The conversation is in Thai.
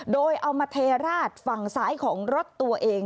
โดยเอามาเทราดฝั่งซ้ายของรถตัวเอง